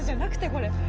これ。